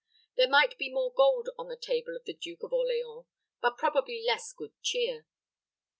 There might be more gold on the table of the Duke of Orleans, but probably less good cheer.